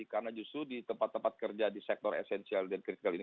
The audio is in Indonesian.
karena justru di tempat tempat kerja di sektor esensial dan kritikal ini